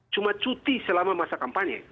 cuma cuti selama masa kampanye